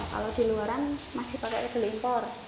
kalau di luaran masih pakai impor